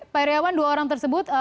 pak iryawan dua orang tersebut